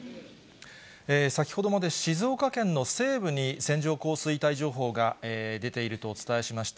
先ほどまで静岡県の西部に線状降水帯情報が出ているとお伝えしました。